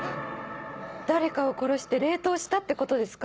誰かを殺して冷凍したってことですか？